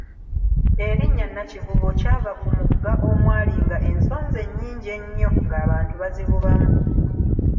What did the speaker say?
Erinnya Nakivubo kyava ku mugga omwalinga ensonzi ennyingi ennyo ng'abantu bazivubamu.